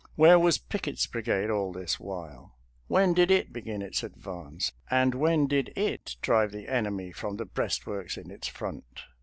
Where was Pickett's brigade all this while; when did it begin its advance, and when did it drive the enemy from the breastworks in its front?